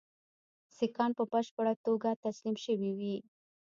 سیکهان په بشپړه توګه تسلیم شوي وي.